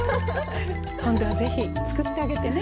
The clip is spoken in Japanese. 今度は是非作ってあげてね。